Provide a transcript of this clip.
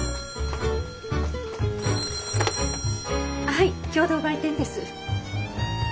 ☎はい共同売店です。